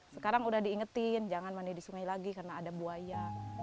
sekarang udah diingetin jangan mandi di sungai lagi karena ada buaya